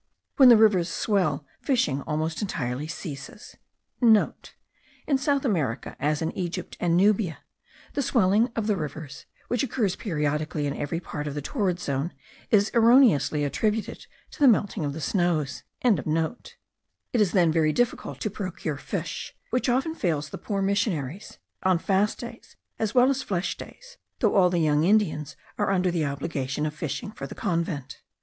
When the rivers swell fishing almost entirely ceases.* (* In South America, as in Egypt and Nubia, the swelling of the rivers, which occurs periodically in every part of the torrid zone, is erroneously attributed to the melting of the snows.) It is then very difficult to procure fish, which often fails the poor missionaries, on fast days as well as flesh days, though all the young Indians are under the obligation of fishing for the convent.